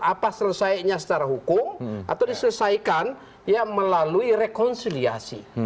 apa selesainya secara hukum atau diselesaikan ya melalui rekonsiliasi